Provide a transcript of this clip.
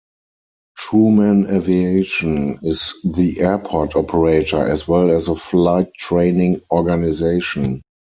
Truman Aviation is the airport operator, as well as a flight training organisation.